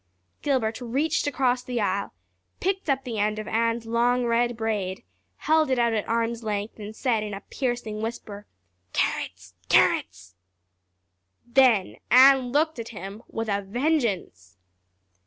Gilbert reached across the aisle, picked up the end of Anne's long red braid, held it out at arm's length and said in a piercing whisper: "Carrots! Carrots!" Then Anne looked at him with a vengeance!